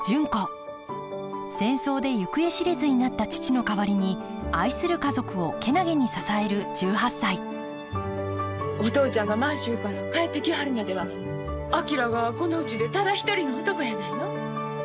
戦争で行方知れずになった父の代わりに愛する家族を健気に支える１８歳お父ちゃんが満州から帰ってきはるまでは昭がこのうちでただ一人の男やないの。